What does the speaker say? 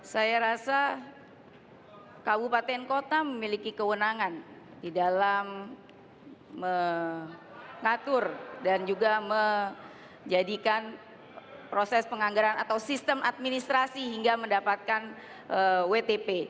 saya rasa kabupaten kota memiliki kewenangan di dalam mengatur dan juga menjadikan proses penganggaran atau sistem administrasi hingga mendapatkan wtp